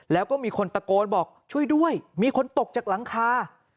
แล้วก็มีคนตะโกนบอกช่วยด้วยมีคนตกจากหลังคา